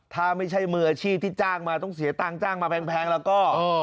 ถ้าไม่ใช่มืออาชีพที่จ้างมาต้องเสียตังค์จ้างมาแพงแล้วก็